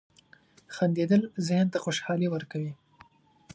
• خندېدل ذهن ته خوشحالي ورکوي.